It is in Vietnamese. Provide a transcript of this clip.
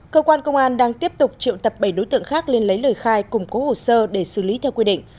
cơ quan công an đang tiếp tục triệu tập bảy đối tượng khác lên lấy lời khai cùng cố hồ sơ để xử lý theo quy định